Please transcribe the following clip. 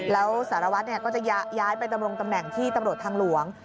แล้วสารวัตรก็จะย้ายไปดำรงตำแหน่งที่ตำรวจทางหลวง